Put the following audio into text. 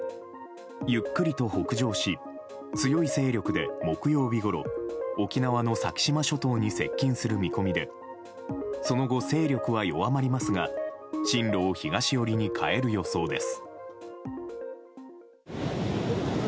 ゆっくりと北上し強い勢力で、木曜日ごろ沖縄の先島諸島に接近する見込みでその後、勢力は弱まりますが進路を東寄りに変える予想です。